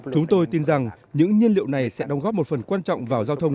chúng tôi tin rằng những nhiên liệu này sẽ đóng góp một phần quan trọng vào giao thông